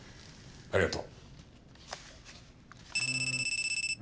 ありがとう。